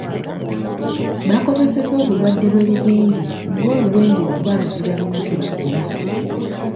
Baakozesezza obulwadde bw'ebigenge nga oluwenda okuba nga tebalina kye bakola.